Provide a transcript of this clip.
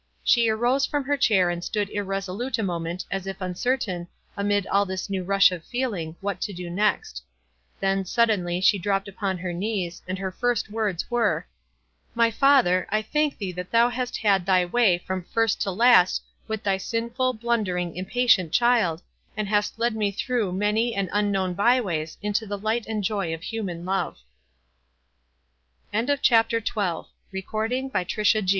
She arose from her chair and stood irresolute a mo ment, as if uncertain, amid all this new rush of feeling, what to do next ; then, suddenly, she dropped upon her knees, and her first words were, — "My father, I thank thee that thou hast had thy w 7 ay trom first to last with thy sinful, blun dering, impatient child, and hast led me through many and unknown by ways into the light and jcy of human love»" CHAPTE